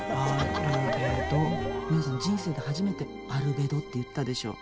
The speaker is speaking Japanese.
ミホさん、人生で初めてアルベドって言ったでしょ。